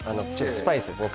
スパイスですね